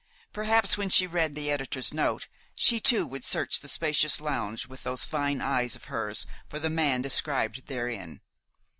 Perhaps when she read the editor's note, she too would search the spacious lounge with those fine eyes of hers for the man described therein.